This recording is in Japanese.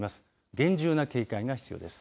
厳重な警戒が必要です。